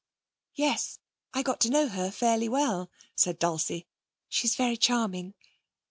'Yes. I got to know her fairly well,' said Dulcie. 'She's very charming.'